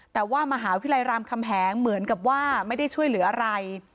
แต่ว่ามหาวิทยาลัยรามคำแหงเหมือนกับว่าไม่ได้ช่วยเหลืออะไร